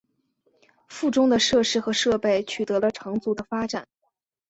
附中的设施和设备取得了长足的发展。